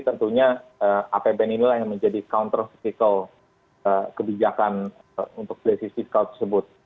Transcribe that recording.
jadi tentunya apbn inilah yang menjadi counter critical kebijakan untuk resisi cloud tersebut